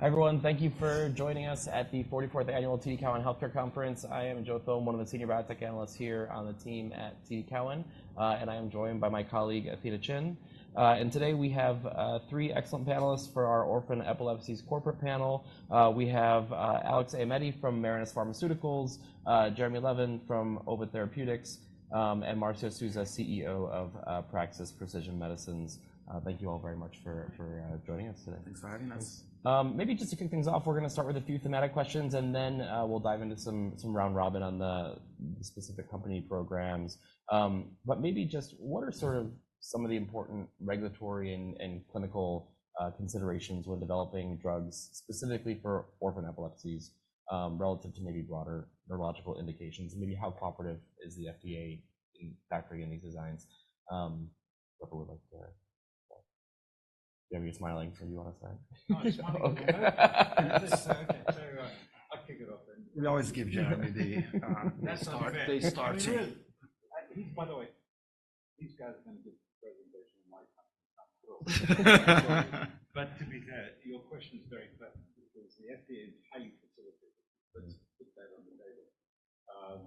Hi, everyone. Thank you for joining us at the 44th Annual TD Cowen Healthcare Conference. I am Joe Thome, one of the senior biotech analysts here on the team at TD Cowen, and I am joined by my colleague, Peter Chin. Today we have three excellent panelists for our Orphan Epilepsies Corporate panel. We have Alex Aimetti from Marinus Pharmaceuticals, Jeremy Levin from Ovid Therapeutics, and Marcio Souza, CEO of Praxis Precision Medicines. Thank you all very much for joining us today. Thanks for having us. Maybe just to kick things off, we're gonna start with a few thematic questions, and then, we'll dive into some round robin on the specific company programs. But maybe just what are sort of some of the important regulatory and clinical considerations when developing drugs specifically for orphan epilepsies, relative to maybe broader neurological indications? And maybe how cooperative is the FDA in factoring in these designs? Look a little like there. Jeremy is smiling, so you want to start? No, I'll kick it off then. We always give Jeremy the- That's not fair. They start to- By the way, these guys are going to give a presentation on my company. But to be fair, your question is very pertinent because the FDA is highly facilitated. Let's put that on the table.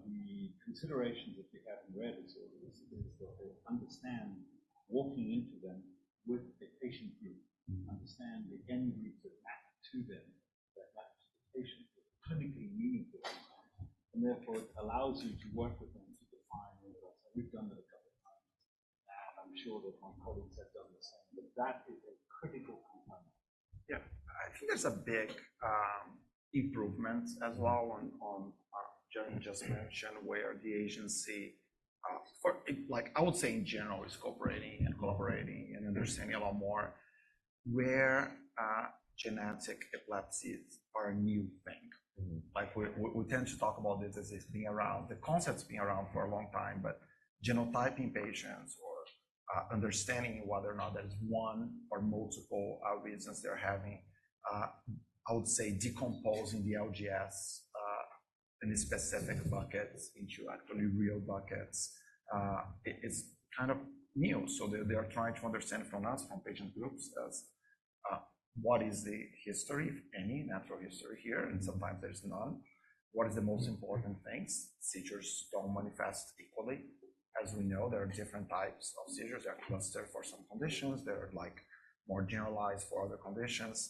The considerations that they have in rare disorders is that they understand walking into them with a patient group, understand the end groups are back to them, that that patient is clinically meaningful, and therefore, it allows you to work with them to define the results. We've done that a couple of times, and I'm sure that my colleagues have done the same, but that is a critical component. Yeah. I think there's a big improvement as well on Jeremy just mentioned, where the agency, like, I would say, in general, is cooperating and collaborating and understanding a lot more where genetic epilepsies are a new thing. Mm-hmm. Like, we tend to talk about this as it's being around. The concept's been around for a long time, but genotyping patients or understanding whether or not there's one or multiple reasons they're having, I would say, decomposing the LGS in the specific buckets into actually real buckets, it is kind of new. So they are trying to understand from us, from patient groups, as what is the history, if any, natural history here, and sometimes there's none. What is the most important things? Seizures don't manifest equally. As we know, there are different types of seizures. They are clustered for some conditions. They are, like, more generalized for other conditions.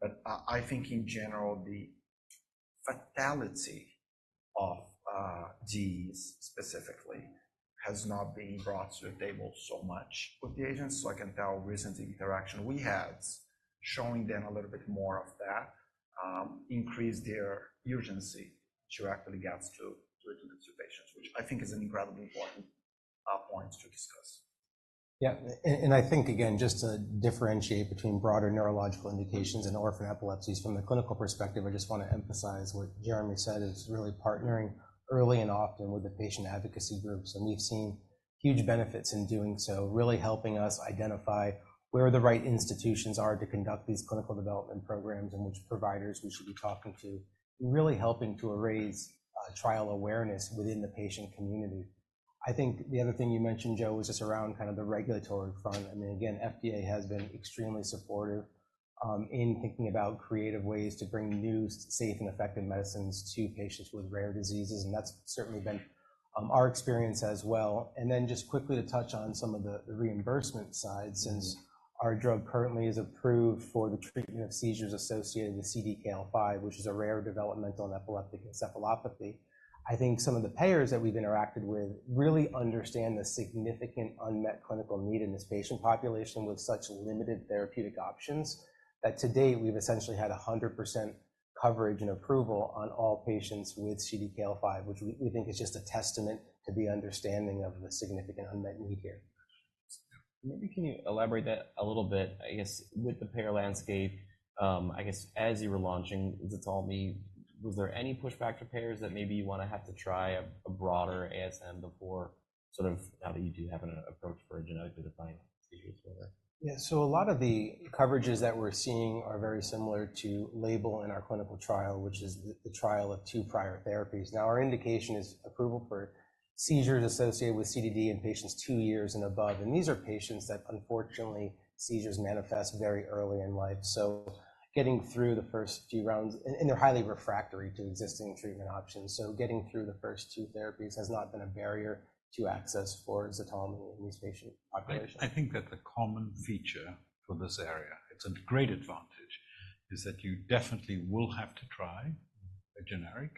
But I think in general, the fatality of GE specifically has not been brought to the table so much with the agents. So I can tell recent interaction we had, showing them a little bit more of that, increased their urgency, which actually gets to the patients, which I think is an incredibly important point to discuss. Yeah. I think, again, just to differentiate between broader neurological indications and orphan epilepsies, from the clinical perspective, I just want to emphasize what Jeremy said, is really partnering early and often with the patient advocacy groups, and we've seen huge benefits in doing so. Really helping us identify where the right institutions are to conduct these clinical development programs, and which providers we should be talking to, really helping to raise trial awareness within the patient community. I think the other thing you mentioned, Joe, was just around kind of the regulatory front. I mean, again, FDA has been extremely supportive, in thinking about creative ways to bring new, safe, and effective medicines to patients with rare diseases, and that's certainly been our experience as well. Then just quickly to touch on some of the reimbursement side, since our drug currently is approved for the treatment of seizures associated with CDKL5, which is a rare developmental and epileptic encephalopathy. I think some of the payers that we've interacted with really understand the significant unmet clinical need in this patient population with such limited therapeutic options, that to date, we've essentially had 100% coverage and approval on all patients with CDKL5, which we think is just a testament to the understanding of the significant unmet need here. Maybe can you elaborate that a little bit, I guess, with the payer landscape. I guess as you were launching ZTALMY, was there any pushback to payers that maybe you want to have to try a broader ASM before, sort of now that you do have an approach for a genetically defined seizures for that? Yeah. So a lot of the coverages that we're seeing are very similar to label in our clinical trial, which is the trial of two prior therapies. Now, our indication is approval for seizures associated with CDD in patients two years and above, and these are patients that, unfortunately, seizures manifest very early in life. So getting through the first few rounds... And they're highly refractory to existing treatment options, so getting through the first two therapies has not been a barrier to access for ZTALMY in this patient population. I think that the common feature for this area, it's a great advantage, is that you definitely will have to try a generic,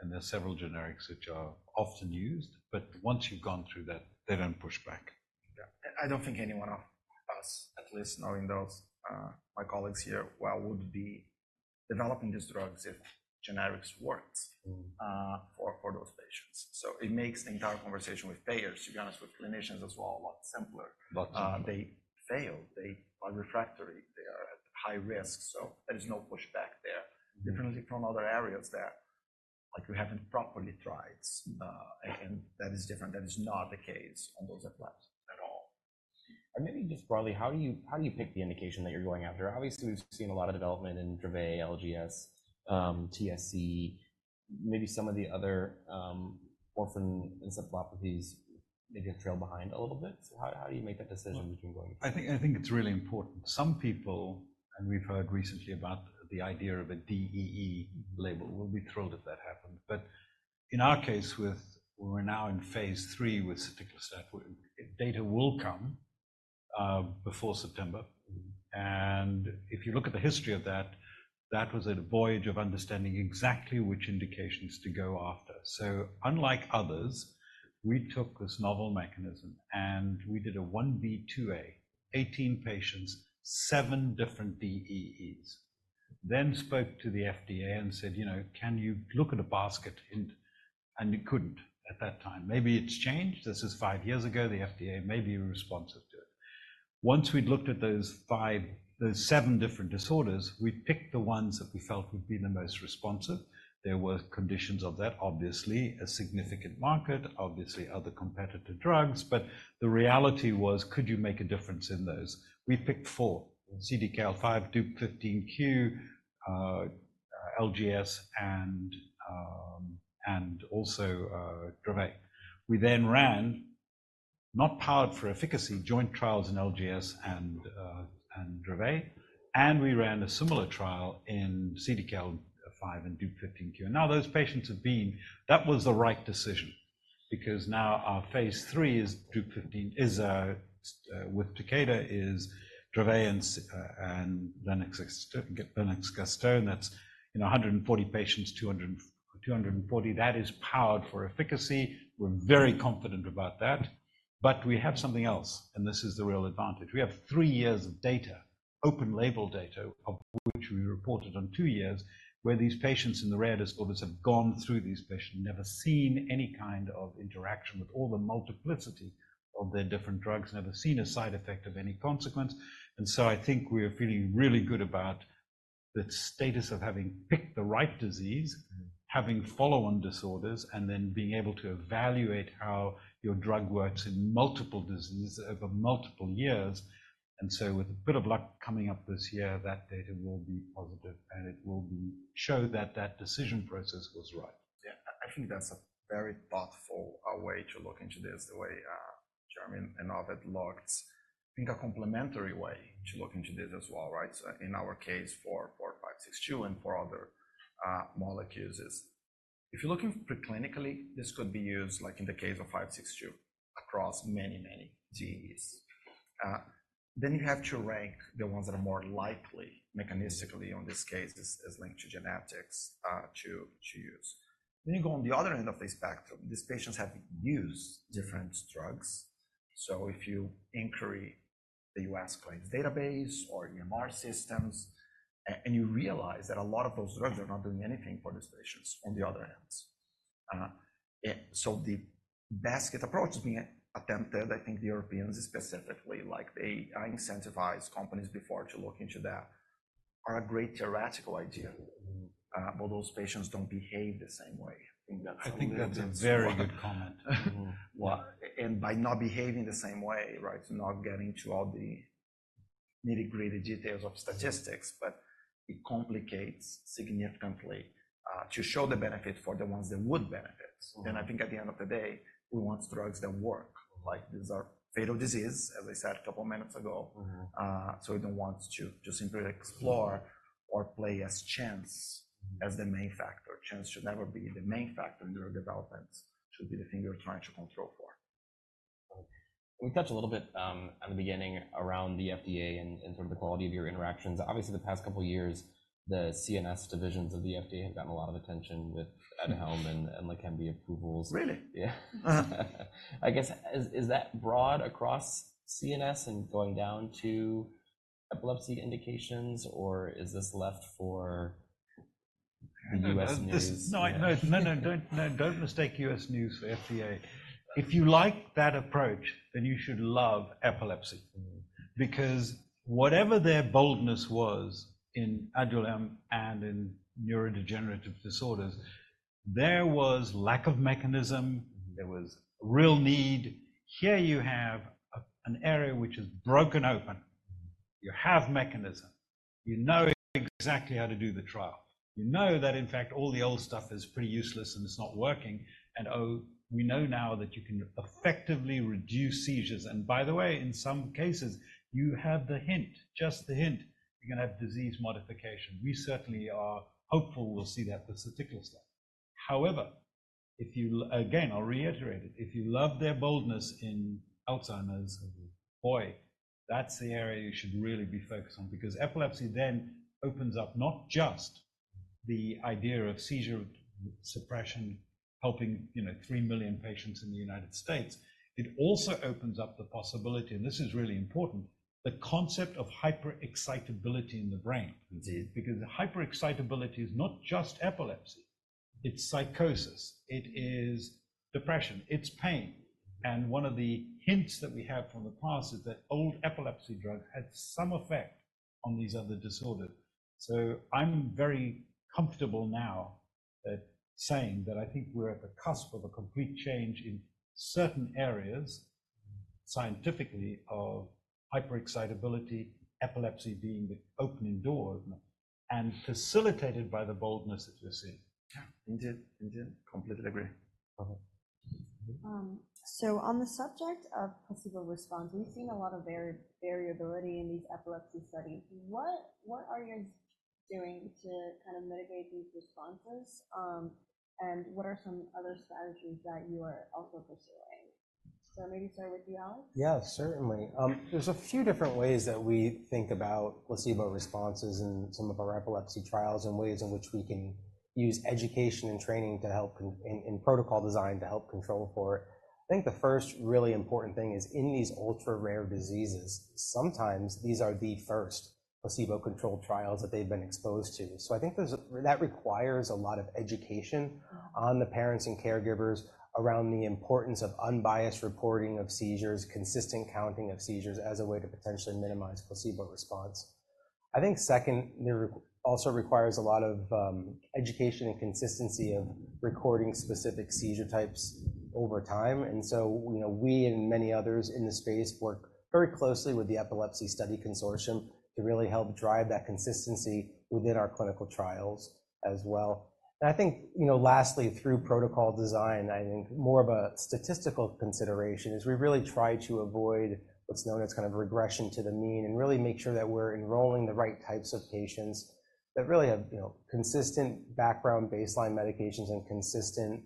and there are several generics which are often used, but once you've gone through that, they don't push back. Yeah. I don't think anyone of us, at least knowing those, my colleagues here, well, would be developing these drugs if generics worked- Mm. for those patients. So it makes the entire conversation with payers, to be honest, with clinicians as well, a lot simpler. But- They fail. They are refractory. They are at high risk, so there is no pushback there. Mm. Differently from other areas there, like we haven't properly tried, and that is different. That is not the case on those epilepsies at all. And maybe just broadly, how do you, how do you pick the indication that you're going after? Obviously, we've seen a lot of development in Dravet, LGS, TSC.... Maybe some of the other, orphan encephalopathies maybe have trailed behind a little bit? So how, how do you make that decision between going- I think it's really important. Some people, and we've heard recently about the idea of a DEE label. We'll be thrilled if that happens. But in our case, with we're now in phase III with soticlestat, where data will come before September. And if you look at the history of that, that was a voyage of understanding exactly which indications to go after. So unlike others, we took this novel mechanism, and we did a 1b, 2a, 18 patients, seven different DEEs. Then spoke to the FDA and said, "You know, can you look at a basket?" And you couldn't at that time. Maybe it's changed. This is five years ago. The FDA may be responsive to it. Once we'd looked at those seven different disorders, we'd picked the ones that we felt would be the most responsive. There were conditions of that, obviously, a significant market, obviously, other competitive drugs, but the reality was: could you make a difference in those? We picked four, CDKL5, Dup15q, LGS, and also Dravet. We then ran, not powered for efficacy, joint trials in LGS and Dravet, and we ran a similar trial in CDKL5 and Dup15q. And now those patients have been... That was the right decision, because now our phase III is Dup15q, is with Takeda, is Dravet and S-- and Lennox-Gastaut. That's, you know, 140 patients, 200 and 240. That is powered for efficacy. We're very confident about that, but we have something else, and this is the real advantage. We have three years of data, open label data, of which we reported on two years, where these patients in the rare disorders have gone through these patients, never seen any kind of interaction with all the multiplicity of their different drugs, never seen a side effect of any consequence. And so I think we're feeling really good about the status of having picked the right disease, having follow-on disorders, and then being able to evaluate how your drug works in multiple diseases over multiple years. And so, with a bit of luck coming up this year, that data will be positive, and it will show that that decision process was right. Yeah, I, I think that's a very thoughtful way to look into this, the way Jeremy and Ovid looked. I think a complementary way to look into this as well, right? So in our case, for 4562 and for other molecules is, if you're looking preclinically, this could be used, like in the case of 562, across many, many DEEs. Then you have to rank the ones that are more likely, mechanistically, on this case, this is linked to genetics, to, to use. Then you go on the other end of the spectrum. These patients have used different drugs, so if you inquire the U.S. claims database or EMR systems and you realize that a lot of those drugs are not doing anything for these patients, on the other hand. So the basket approach is being attempted. I think the Europeans specifically, like they, I incentivized companies before to look into that, are a great theoretical idea, but those patients don't behave the same way. I think that's- I think that's a very good comment. Well, and by not behaving the same way, right? Not getting to all the nitty-gritty details of statistics, but it complicates significantly, to show the benefit for the ones that would benefit. Mm-hmm. I think at the end of the day, we want drugs that work. Like, these are fatal diseases, as I said a couple minutes ago. Mm-hmm. We don't want to just simply explore or play as chance as the main factor. Chance should never be the main factor in drug developments. It should be the thing you're trying to control for. We touched a little bit on the beginning around the FDA and, and sort of the quality of your interactions. Obviously, the past couple years, the CNS divisions of the FDA have gotten a lot of attention with ADUHELM and, and LEQEMBI approvals. Really? Yeah. Uh. I guess, is that broad across CNS and going down to epilepsy indications, or is this left for the U.S. news? No, no. No, no, don't, no, don't mistake U.S. news for FDA. If you like that approach, then you should love epilepsy- Mm. because whatever their boldness was in ADUHELM and in neurodegenerative disorders, there was lack of mechanism, there was real need. Here you have a, an area which is broken open. You have mechanism. You know exactly how to do the trial. You know that, in fact, all the old stuff is pretty useless, and it's not working, and, oh, we know now that you can effectively reduce seizures. And by the way, in some cases, you have the hint, just the hint, you're gonna have disease modification. We certainly are hopeful we'll see that with soticlestat. However, if you l-- Again, I'll reiterate it: If you love their boldness in Alzheimer's, boy, that's the area you should really be focused on. Because epilepsy then opens up not just the idea of seizure suppression, helping, you know, 3 million patients in the United States, it also opens up the possibility, and this is really important, the concept of hyperexcitability in the brain. Indeed. Because hyperexcitability is not just epilepsy, it's psychosis, it is depression, it's pain, and one of the hints that we have from the past is that old epilepsy drug had some effect on these other disorders. So I'm very comfortable now at saying that I think we're at the cusp of a complete change in certain areas scientifically of hyperexcitability, epilepsy being the opening door, and facilitated by the boldness that we're seeing. Yeah, indeed. Indeed, completely agree. Uh-huh. So on the subject of placebo response, we've seen a lot of variability in these epilepsy studies. What are you guys doing to kind of mitigate these responses? And what are some other strategies that you are also pursuing? So maybe start with you, Alex. Yeah, certainly. There's a few different ways that we think about placebo responses in some of our epilepsy trials, and ways in which we can use education and training to help in protocol design to help control for it. I think the first really important thing is, in these ultra-rare diseases, sometimes these are the first placebo-controlled trials that they've been exposed to. So I think there's that requires a lot of education. Mm. on the parents and caregivers around the importance of unbiased reporting of seizures, consistent counting of seizures, as a way to potentially minimize placebo response. I think second, there also requires a lot of education and consistency of recording specific seizure types over time. And so, you know, we and many others in this space work very closely with the Epilepsy Study Consortium to really help drive that consistency within our clinical trials as well. I think, you know, lastly, through protocol design, I think more of a statistical consideration, is we really try to avoid what's known as kind of regression to the mean, and really make sure that we're enrolling the right types of patients that really have, you know, consistent background baseline medications and consistent,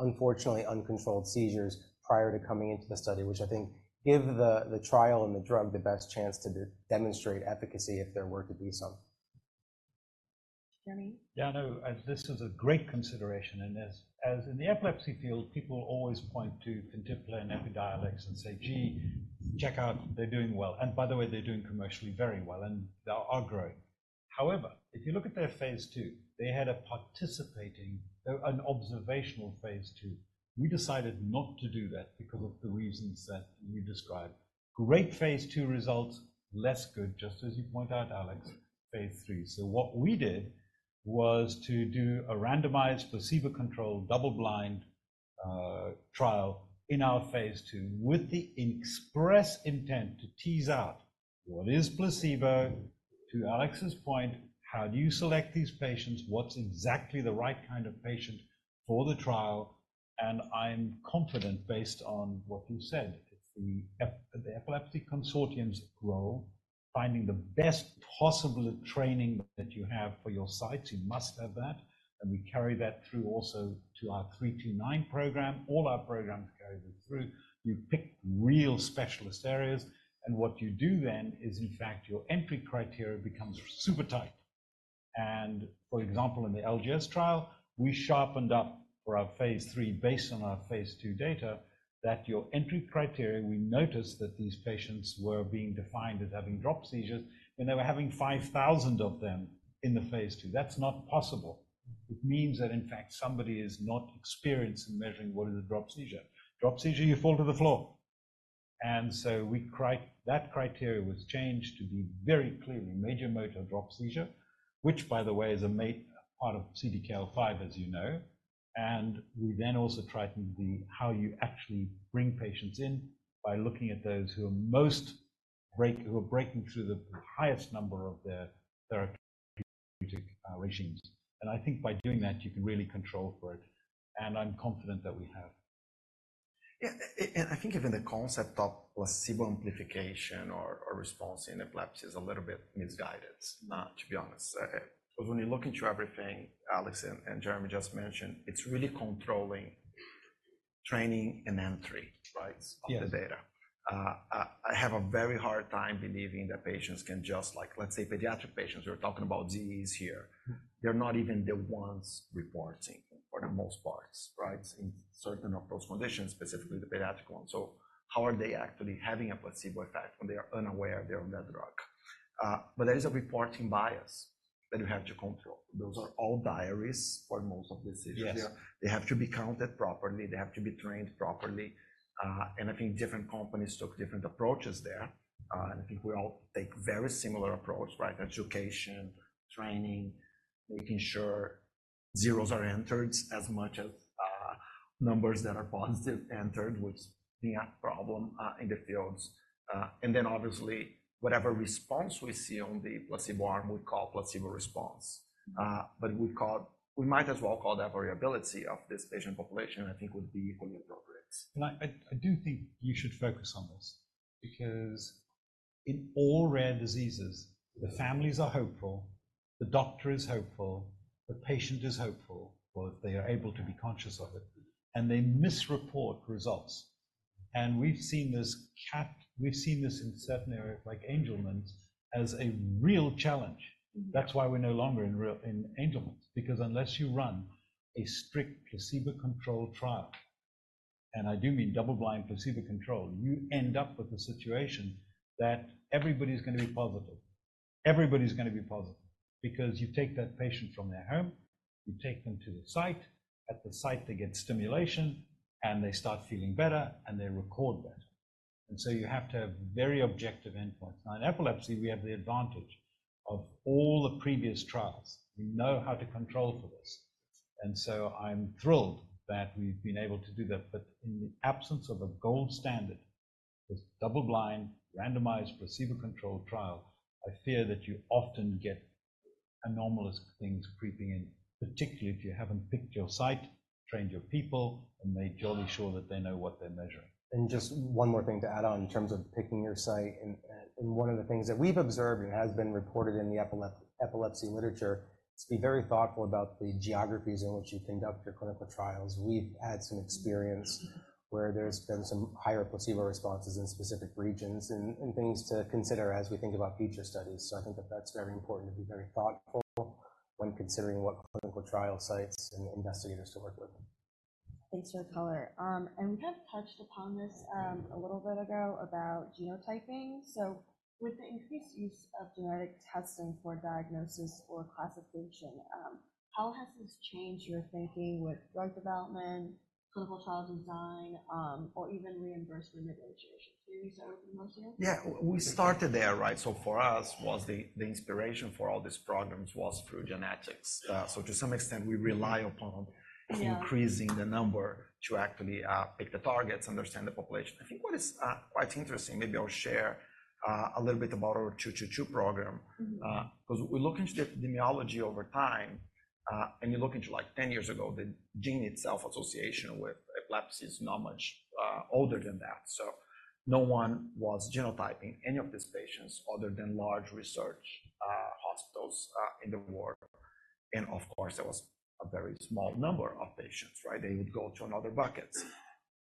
unfortunately, uncontrolled seizures prior to coming into the study, which I think give the trial and the drug the best chance to demonstrate efficacy if there were to be some. Jeremy? Yeah, I know, and this is a great consideration, and as, as in the epilepsy field, people always point to FINTEPLA and Epidiolex and say, "Gee, check out, they're doing well." And by the way, they're doing commercially very well, and they are growing. However, if you look at their phase II, they had a participating... an observational phase II. We decided not to do that because of the reasons that you described. Great phase II results, less good, just as you point out, Alex, phase III. So what we did was to do a randomized, placebo-controlled, double-blind trial in our phase II, with the express intent to tease out what is placebo. To Alex's point, how do you select these patients? What's exactly the right kind of patient for the trial? I'm confident, based on what you said, the Epilepsy Consortium's role, finding the best possible training that you have for your sites, you must have that, and we carry that through also to our 329 program. All our programs carry that through. You pick real specialist areas, and what you do then is, in fact, your entry criteria becomes super tight. For example, in the LGS trial, we sharpened up for our phase III based on our phase II data, that your entry criteria, we noticed that these patients were being defined as having drop seizures, and they were having 5,000 of them in the phase II. That's not possible. It means that, in fact, somebody is not experienced in measuring what is a drop seizure. Drop seizure, you fall to the floor. So the criteria was changed to be very clearly major motor drop seizure, which, by the way, is a major part of CDKL5, as you know. We then also tried to see how you actually bring patients in by looking at those who are most breaking through the highest number of their therapeutic regimens. I think by doing that, you can really control for it, and I'm confident that we have. Yeah, and I think even the concept of placebo amplification or response in epilepsy is a little bit misguided, to be honest. But when you look into everything Alex and Jeremy just mentioned, it's really controlling training and entry, right? Yes. Of the data. I have a very hard time believing that patients can just, like... Let's say pediatric patients, we are talking about DEEs here. Mm. They're not even the ones reporting, for the most part, right? In certain of those conditions, specifically the pediatric ones. So how are they actually having a placebo effect when they are unaware they are on that drug? But there is a reporting bias that you have to control. Those are all diaries for most of the seizures. Yes. They have to be counted properly. They have to be trained properly. And I think different companies took different approaches there. And I think we all take very similar approach, right? Education, training, making sure zeros are entered as much as numbers that are positive entered, which being a problem in the fields. And then obviously, whatever response we see on the placebo arm, we call placebo response. But we call- we might as well call that variability of this patient population, I think would be fully appropriate. I do think you should focus on this, because in all rare diseases, the families are hopeful, the doctor is hopeful, the patient is hopeful, or they are able to be conscious of it, and they misreport results. We've seen this in certain areas, like Angelman's, as a real challenge. Mm. That's why we're no longer in Angelman's, because unless you run a strict placebo-controlled trial, and I do mean double-blind placebo-controlled, you end up with a situation that everybody's gonna be positive. Everybody's gonna be positive because you take that patient from their home, you take them to the site. At the site, they get stimulation, and they start feeling better, and they record that. And so you have to have very objective endpoints. Now, in epilepsy, we have the advantage of all the previous trials. We know how to control for this. And so I'm thrilled that we've been able to do that. But in the absence of a gold standard, this double-blind, randomized, placebo-controlled trial, I fear that you often get anomalous things creeping in, particularly if you haven't picked your site, trained your people, and made jolly sure that they know what they're measuring. Just one more thing to add on in terms of picking your site and, and one of the things that we've observed, and has been reported in the epilepsy literature, is be very thoughtful about the geographies in which you conduct your clinical trials. We've had some experience where there's been some higher placebo responses in specific regions and, and things to consider as we think about future studies. So I think that that's very important to be very thoughtful when considering what clinical trial sites and investigators to work with. Thanks for your color. And we have touched upon this, a little bit ago about genotyping. With the increased use of genetic testing for diagnosis or classification, how has this changed your thinking with drug development, clinical trial design, or even reimbursement negotiations? Can you start, Marcio? Yeah, we started there, right? So for us, was the inspiration for all these programs was through genetics. So to some extent, we rely upon- Yeah... increasing the number to actually pick the targets, understand the population. I think what is quite interesting, maybe I'll share a little bit about our 222 program. Mm-hmm. 'Cause we look into the epidemiology over time, and you look into, like, 10 years ago, the gene itself association with epilepsy is not much older than that. So no one was genotyping any of these patients other than large research hospitals in the world. And of course, it was a very small number of patients, right? They would go to another bucket.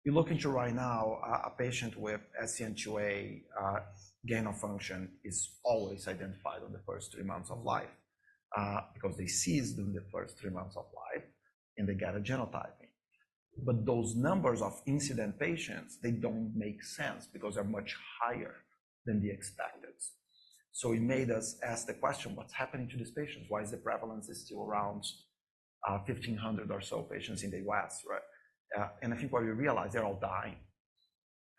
You look into right now, a patient with SCN2A gain-of-function is always identified on the first three months of life, because they seize them the first three months of life, and they get a genotyping. But those numbers of incident patients, they don't make sense because they're much higher than the expected. So it made us ask the question: What's happening to these patients? Why is the prevalence is still around 1,500 or so patients in the U.S., right? And I think what we realize, they're all dying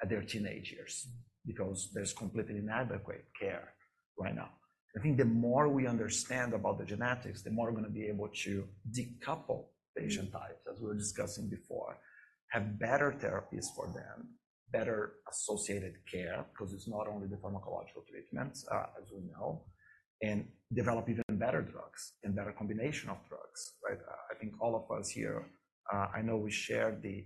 at their teenage years because there's completely inadequate care right now. I think the more we understand about the genetics, the more we're going to be able to decouple patient types, as we were discussing before, have better therapies for them, better associated care, because it's not only the pharmacological treatments, as we know, and develop even better drugs and better combination of drugs, right? I think all of us here, I know we share the,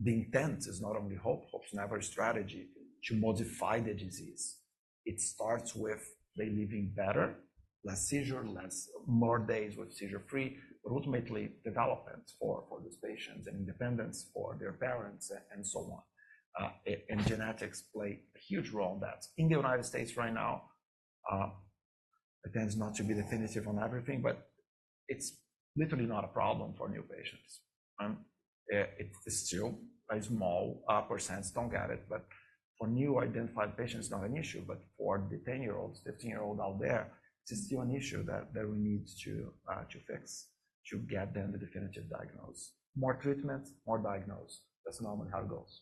the intent is not only hope. Hope is never a strategy to modify the disease. It starts with they living better, less seizure, less, more days with seizure-free, but ultimately, development for, for these patients and independence for their parents and so on. And genetics play a huge role in that. In the United States right now, it tends not to be definitive on everything, but it's literally not a problem for new patients. It's still a small percent don't get it, but for new identified patients, not an issue. But for the 10-year-olds, 15-year-old out there, it's still an issue that we need to fix, to get them the definitive diagnosis. More treatments, more diagnosis. That's normally how it goes.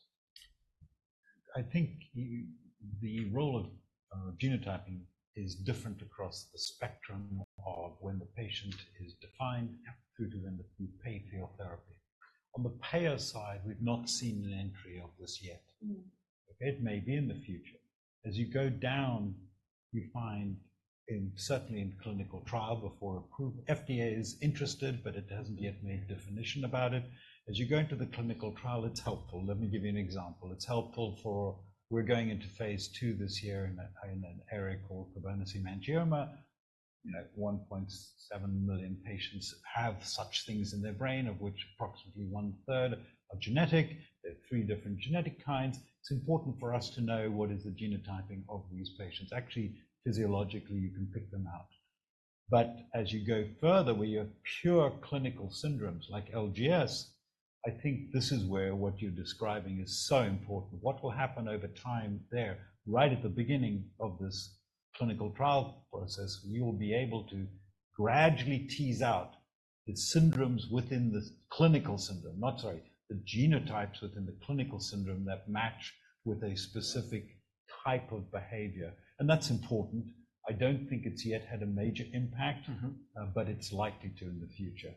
I think the role of genotyping is different across the spectrum of when the patient is defined- Yeah... through to when they pay for your therapy. On the payer side, we've not seen an entry of this yet. Mm. It may be in the future. As you go down, we find, certainly in clinical trial before approval, FDA is interested, but it hasn't yet made a definition about it. As you go into the clinical trial, it's helpful. Let me give you an example. It's helpful for... We're going into phase II this year in an area called cavernous angioma. You know, 1.7 million patients have such things in their brain, of which approximately one-third are genetic. There are three different genetic kinds. It's important for us to know what is the genotyping of these patients. Actually, physiologically, you can pick them out. But as you go further, where you have pure clinical syndromes like LGS, I think this is where what you're describing is so important. What will happen over time there? Right at the beginning of this clinical trial process, we will be able to gradually tease out the syndromes within the clinical syndrome—not, sorry, the genotypes within the clinical syndrome that match with a specific type of behavior, and that's important. I don't think it's yet had a major impact- Mm-hmm... but it's likely to in the future.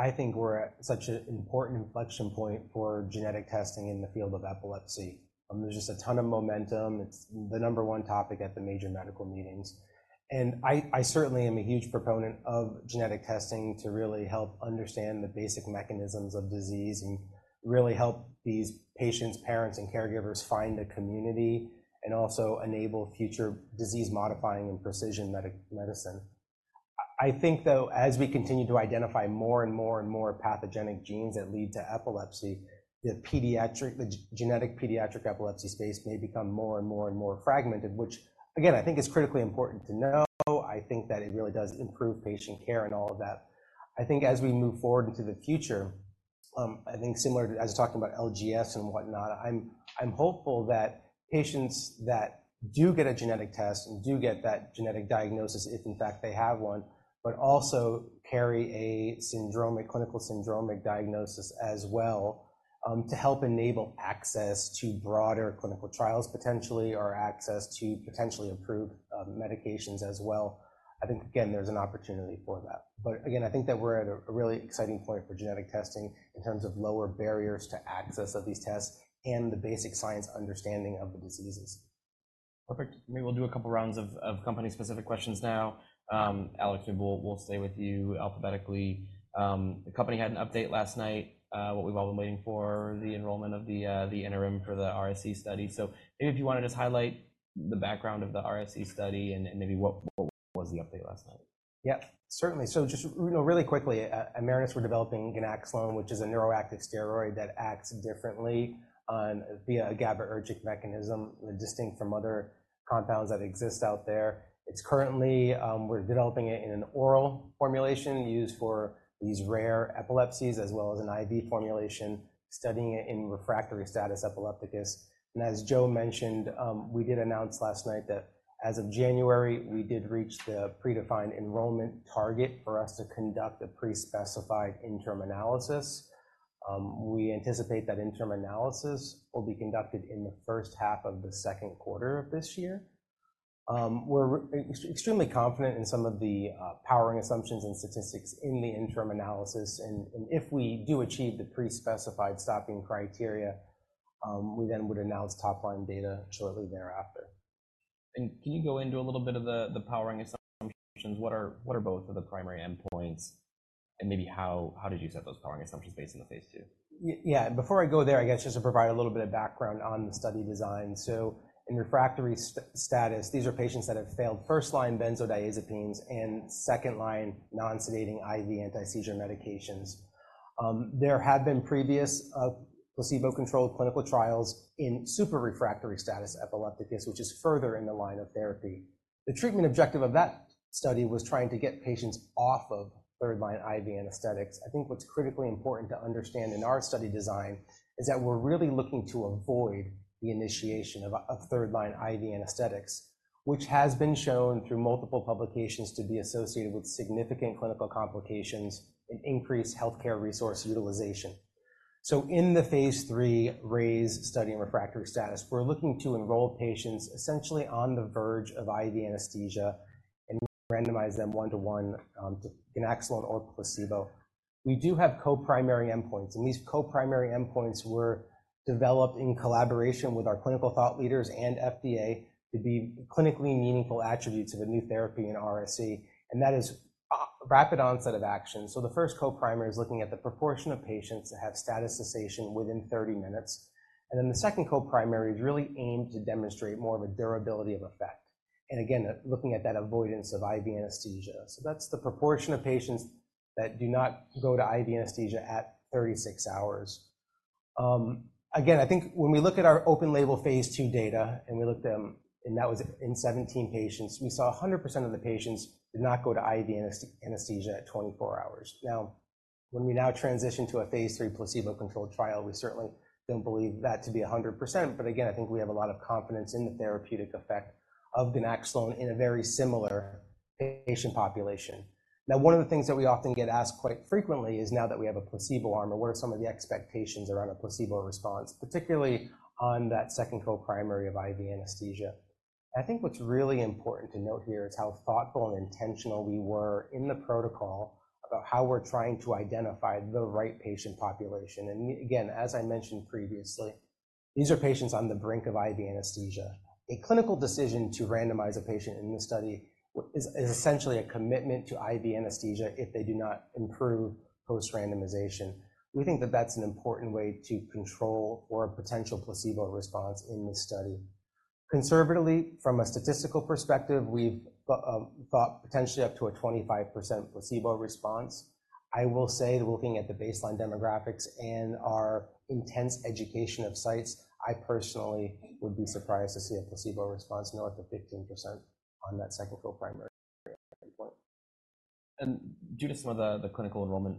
I think we're at such an important inflection point for genetic testing in the field of epilepsy. There's just a ton of momentum. It's the number one topic at the major medical meetings. I, I certainly am a huge proponent of genetic testing to really help understand the basic mechanisms of disease and really help these patients, parents, and caregivers find a community, and also enable future disease modifying and precision medicine. I, I think, though, as we continue to identify more and more and more pathogenic genes that lead to epilepsy, the genetic pediatric epilepsy space may become more and more and more fragmented, which, again, I think is critically important to know. I think that it really does improve patient care and all of that. I think as we move forward into the future, I think similar to, as we talked about LGS and whatnot, I'm hopeful that patients that do get a genetic test and do get that genetic diagnosis, if in fact they have one, but also carry a syndromic, clinical syndromic diagnosis as well, to help enable access to broader clinical trials, potentially, or access to potentially approved medications as well. I think, again, there's an opportunity for that. But again, I think that we're at a really exciting point for genetic testing in terms of lower barriers to access of these tests and the basic science understanding of the diseases.... Perfect. Maybe we'll do a couple rounds of company-specific questions now. Alex, maybe we'll stay with you alphabetically. The company had an update last night, what we've all been waiting for, the enrollment of the interim for the RSE study. So maybe if you want to just highlight the background of the RSE study and maybe what was the update last night? Yep, certainly. So just, you know, really quickly, at Marinus, we're developing ganaxolone, which is a neuroactive steroid that acts differently on via a GABAergic mechanism, distinct from other compounds that exist out there. It's currently, we're developing it in an oral formulation used for these rare epilepsies, as well as an IV formulation, studying it in refractory status epilepticus. And as Joe mentioned, we did announce last night that as of January, we did reach the predefined enrollment target for us to conduct a pre-specified interim analysis. We anticipate that interim analysis will be conducted in the first half of the second quarter of this year. We're extremely confident in some of the powering assumptions and statistics in the interim analysis, and if we do achieve the pre-specified stopping criteria, we then would announce top-line data shortly thereafter. Can you go into a little bit of the powering assumptions? What are both of the primary endpoints, and maybe how did you set those powering assumptions based on the phase II? Yeah. Before I go there, I guess just to provide a little bit of background on the study design. So in refractory status, these are patients that have failed first-line benzodiazepines and second-line non-sedating IV anti-seizure medications. There had been previous placebo-controlled clinical trials in super refractory status epilepticus, which is further in the line of therapy. The treatment objective of that study was trying to get patients off of third-line IV anesthetics. I think what's critically important to understand in our study design is that we're really looking to avoid the initiation of third-line IV anesthetics, which has been shown through multiple publications to be associated with significant clinical complications and increased healthcare resource utilization. In the phase III RAISE study in refractory status, we're looking to enroll patients essentially on the verge of IV anesthesia and randomize them 1:1 to ganaxolone or placebo. We do have co-primary endpoints, and these co-primary endpoints were developed in collaboration with our clinical thought leaders and FDA to be clinically meaningful attributes of a new therapy in RSE, and that is a rapid onset of action. The first co-primary is looking at the proportion of patients that have status cessation within 30 minutes. And then the second co-primary is really aimed to demonstrate more of a durability of effect. And again, looking at that avoidance of IV anesthesia. That's the proportion of patients that do not go to IV anesthesia at 36 hours. Again, I think when we look at our open-label phase II data, and we looked at, and that was in 17 patients, we saw 100% of the patients did not go to IV anesthesia at 24 hours. Now, when we now transition to a phase III placebo-controlled trial, we certainly don't believe that to be 100%, but again, I think we have a lot of confidence in the therapeutic effect of ganaxolone in a very similar patient population. Now, one of the things that we often get asked quite frequently is, now that we have a placebo arm, and what are some of the expectations around a placebo response, particularly on that second co-primary of IV anesthesia? I think what's really important to note here is how thoughtful and intentional we were in the protocol about how we're trying to identify the right patient population. Again, as I mentioned previously, these are patients on the brink of IV anesthesia. A clinical decision to randomize a patient in this study is essentially a commitment to IV anesthesia if they do not improve post-randomization. We think that that's an important way to control or a potential placebo response in this study. Conservatively, from a statistical perspective, we've thought potentially up to a 25% placebo response. I will say, looking at the baseline demographics and our intense education of sites, I personally would be surprised to see a placebo response more than 15% on that second co-primary endpoint. Due to some of the clinical enrollment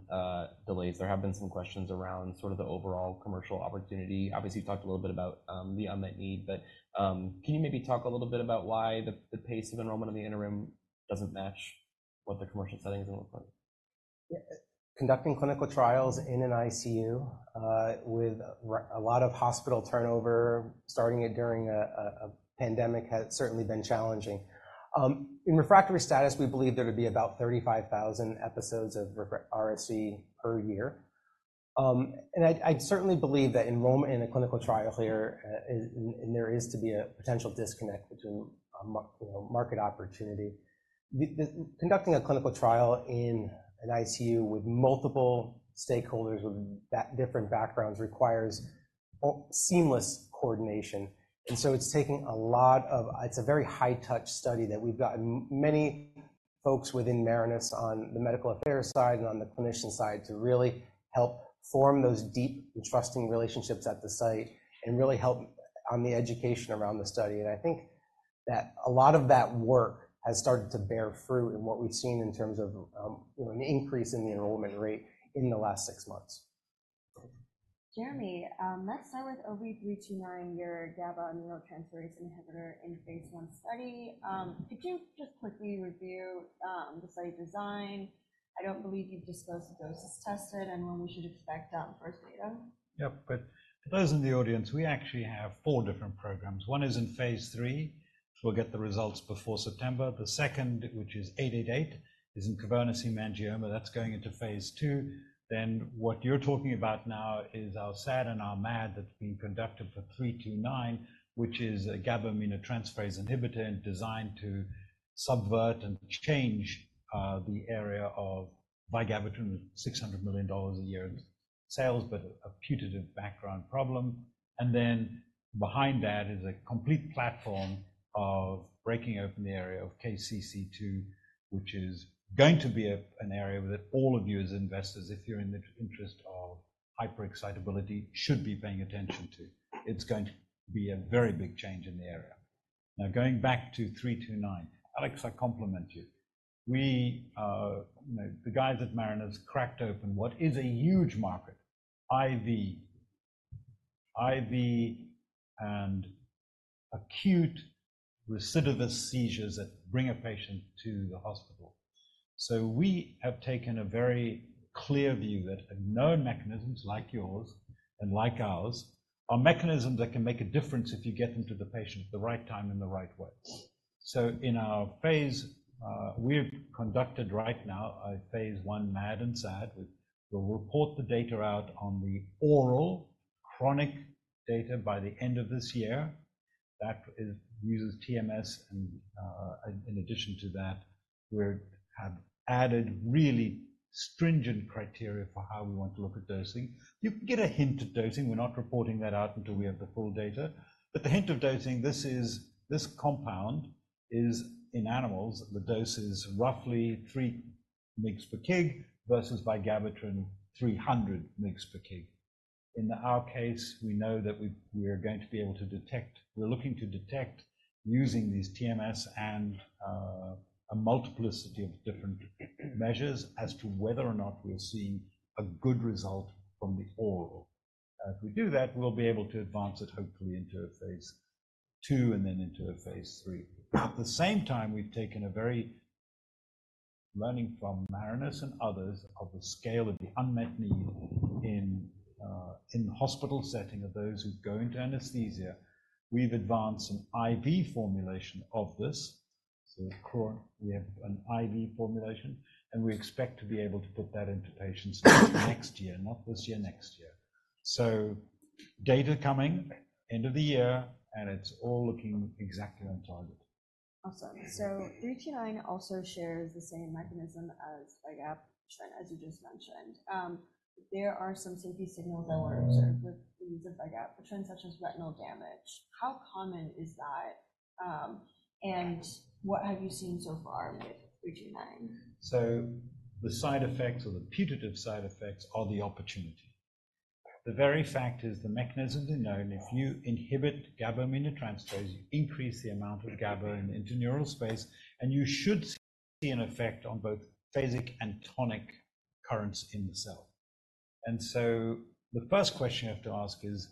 delays, there have been some questions around sort of the overall commercial opportunity. Obviously, you talked a little bit about the unmet need, but can you maybe talk a little bit about why the pace of enrollment in the interim doesn't match what the commercial setting is going to look like? Conducting clinical trials in an ICU with a lot of hospital turnover, starting it during a pandemic has certainly been challenging. In refractory status, we believe there to be about 35,000 episodes of RSE per year. I certainly believe that enrollment in a clinical trial here and there is to be a potential disconnect between a, you know, market opportunity. Conducting a clinical trial in an ICU with multiple stakeholders with different backgrounds requires a seamless coordination. It's a very high-touch study that we've gotten many folks within Marinus on the medical affairs side and on the clinician side to really help form those deep and trusting relationships at the site and really help on the education around the study. I think that a lot of that work has started to bear fruit in what we've seen in terms of, you know, an increase in the enrollment rate in the last six months. Jeremy, next, OV329, your GABA aminotransferase inhibitor in phase I study. Could you just quickly review the study design? I don't believe you've disclosed the doses tested and when we should expect first data. Yep. But to those in the audience, we actually have four different programs. One is in phase III. We'll get the results before September. The second, which is 888, is in cavernous angioma. That's going into phase II. Then what you're talking about now is our SAD and our MAD that's been conducted for 329, which is a GABA aminotransferase inhibitor designed to subvert and change, the area of vigabatrin, $600 million a year in sales, but a putative background problem. And then behind that is a complete platform of breaking open the area of KCC2, which is going to be a, an area that all of you as investors, if you're in the interest of hyperexcitability, should be paying attention to. It's going to be a very big change in the area. Now, going back to 329. Alex, I compliment you. We, you know, the guys at Marinus cracked open what is a huge market, IV. IV and acute recidivist seizures that bring a patient to the hospital. So we have taken a very clear view that known mechanisms like yours and like ours, are mechanisms that can make a difference if you get them to the patient at the right time in the right ways. So in our phase, we've conducted right now a phase I MAD and SAD. We'll report the data out on the oral chronic data by the end of this year. That is uses TMS, and, in addition to that, we have added really stringent criteria for how we want to look at dosing. You can get a hint of dosing. We're not reporting that out until we have the full data, but the hint of dosing, this is, this compound is in animals. The dose is roughly 3 mg per kg versus vigabatrin, 300 mg per kg. In our case, we know that we are going to be able to detect... We're looking to detect using these TMS and a multiplicity of different measures as to whether or not we'll see a good result from the oral. If we do that, we'll be able to advance it hopefully into a phase II and then into a phase III. At the same time, we've taken a very learning from Marinus and others of the scale of the unmet need in the hospital setting of those who go into anesthesia. We've advanced an IV formulation of this. So of course, we have an IV formulation, and we expect to be able to put that into patients, next year, not this year, next year. So data coming end of the year, and it's all looking exactly on target. Awesome. So OV329 also shares the same mechanism as vigabatrin, as you just mentioned. There are some safety signal alarms with the use of vigabatrin, such as retinal damage. How common is that, and what have you seen so far with OV329? So the side effects or the putative side effects are the opportunity. The very fact is the mechanisms are known. If you inhibit GABA aminotransferase, you increase the amount of GABA into neural space, and you should see an effect on both phasic and tonic currents in the cell. And so the first question you have to ask is,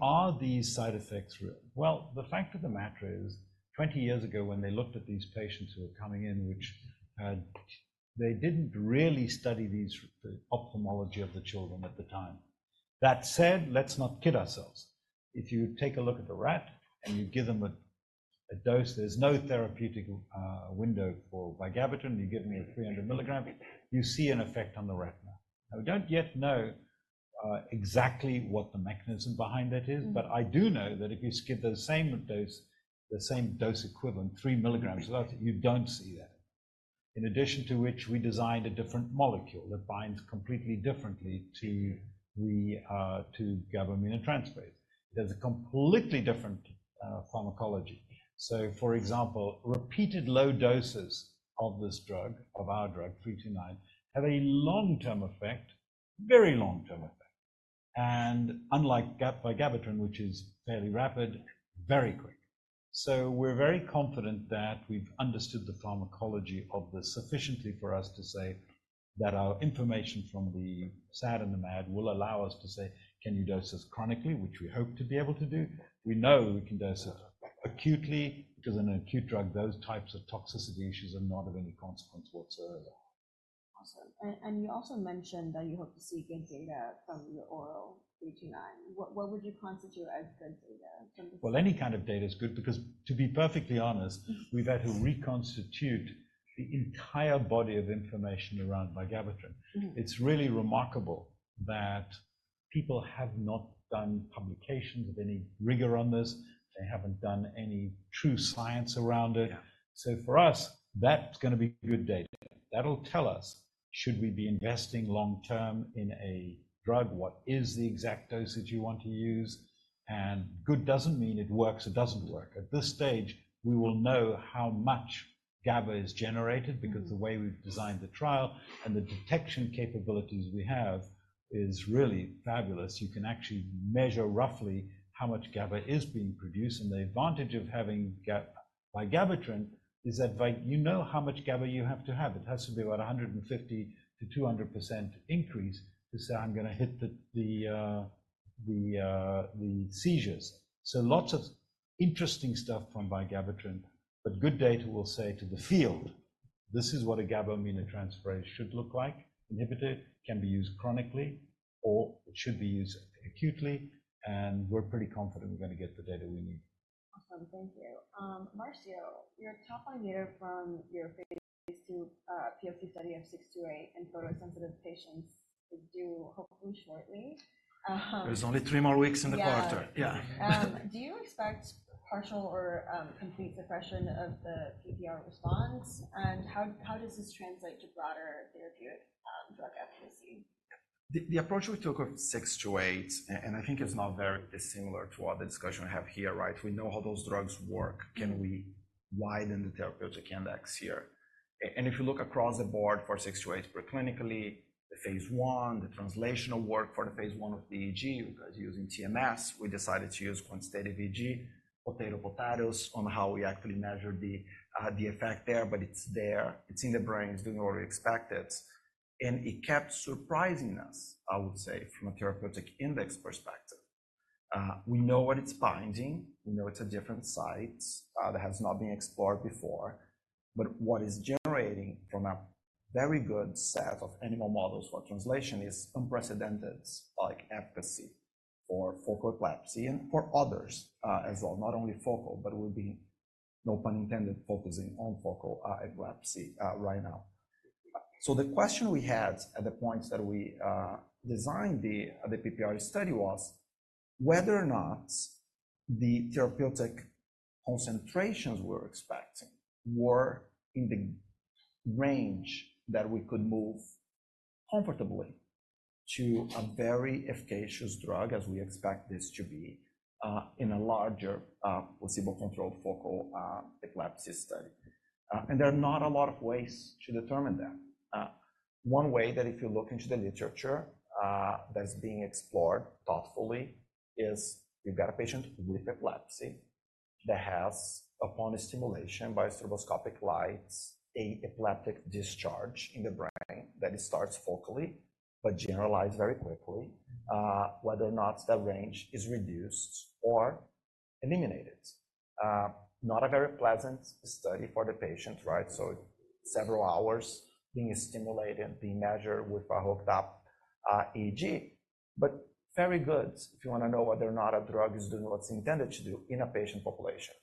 are these side effects real? Well, the fact of the matter is, 20 years ago, when they looked at these patients who were coming in, which, they didn't really study these, the ophthalmology of the children at the time. That said, let's not kid ourselves. If you take a look at the rat and you give them a dose, there's no therapeutic window for vigabatrin. You give them a 300 mg, you see an effect on the retina. Now, we don't yet know exactly what the mechanism behind it is, but I do know that if you skip the same dose, the same dose equivalent, 3 mg, you don't see that. In addition to which, we designed a different molecule that binds completely differently to the to GABA aminotransferase. There's a completely different pharmacology. So for example, repeated low doses of this drug, of our drug, 329, have a long-term effect, very long-term effect. And unlike vigabatrin, which is fairly rapid, very quick. So we're very confident that we've understood the pharmacology of this sufficiently for us to say that our information from the SAD and the MAD will allow us to say: Can you dose this chronically? Which we hope to be able to do. We know we can dose it acutely, because in an acute drug, those types of toxicity issues are not of any consequence whatsoever. Awesome. And you also mentioned that you hope to see good data from the OV329. What would you constitute as good data from this? Well, any kind of data is good because to be perfectly honest- Mm-hmm. We've had to reconstitute the entire body of information around vigabatrin. Mm-hmm. It's really remarkable that people have not done publications of any rigor on this. They haven't done any true science around it. Yeah. So for us, that's gonna be good data. That'll tell us, should we be investing long term in a drug? What is the exact dosage you want to use? And good doesn't mean it works, it doesn't work. At this stage, we will know how much GABA is generated- Mm-hmm. Because the way we've designed the trial and the detection capabilities we have is really fabulous. You can actually measure roughly how much GABA is being produced, and the advantage of having vigabatrin is that you know how much GABA you have to have. It has to be about a 150%-200% increase to say, I'm gonna hit the seizures. So lots of interesting stuff from vigabatrin, but good data will say to the field... This is what a GABA aminotransferase should look like. Inhibited, can be used chronically, or it should be used acutely, and we're pretty confident we're going to get the data we need. Awesome. Thank you. Marcio, your top line data from your phase II, POC study of PRAX-628 in photosensitive patients is due, hopefully, shortly. There's only three more weeks in the quarter. Yeah. Yeah. Do you expect partial or complete depression of the PPR response? And how does this translate to broader therapeutic drug efficacy? The approach we took of 628, and I think it's not very dissimilar to all the discussion we have here, right? We know how those drugs work. Can we widen the therapeutic index here? And if you look across the board for 628, preclinically, the phase I, the translational work for the phase I of EEG, you guys using TMS, we decided to use instead EEG, po-tay-to, po-tah-to, on how we actually measure the effect there, but it's there. It's in the brain. It's doing what we expected. And it kept surprising us, I would say, from a therapeutic index perspective. We know what it's binding. We know it's a different site that has not been explored before. But what is generating from a very good set of animal models for translation is unprecedented spike efficacy for focal epilepsy and for others, as well. Not only focal, but we'll be, no pun intended, focusing on focal, epilepsy, right now. So the question we had at the point that we, designed the, the PPR study was, whether or not the therapeutic concentrations we were expecting were in the range that we could move comfortably to a very efficacious drug, as we expect this to be, in a larger, placebo-controlled focal, epilepsy study. And there are not a lot of ways to determine that. One way that if you look into the literature, that's being explored thoughtfully is, you've got a patient with epilepsy that has, upon stimulation by stroboscopic lights, an epileptic discharge in the brain, that it starts focally, but generalize very quickly, whether or not that range is reduced or eliminated. Not a very pleasant study for the patient, right? So several hours being stimulated, being measured with a hooked up EEG. But very good if you want to know whether or not a drug is doing what it's intended to do in a patient population.